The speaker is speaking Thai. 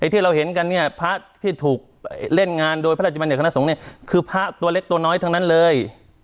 ที่เราเห็นกันเนี่ยพระที่ถูกเล่นงานโดยพระราชบัญญคณะสงฆ์เนี่ยคือพระตัวเล็กตัวน้อยทั้งนั้นเลย